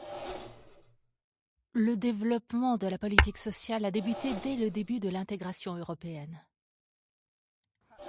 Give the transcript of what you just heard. Le développement de la politique sociale a débuté dès les débuts de l'intégration européenne.